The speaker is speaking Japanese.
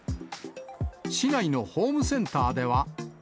市内のホームセンターでは。